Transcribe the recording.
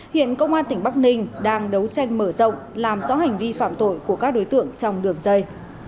hiện công an tỉnh bắc ninh đang đấu tranh mở rộng làm rõ hành vi phạm tội của các đối tượng trong đường dây